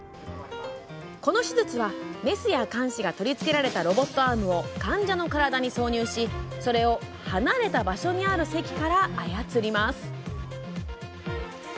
この手術は、メスやかんしが取り付けられたロボットアームを患者の体に挿入しそれを離れた場所にある席から操ります。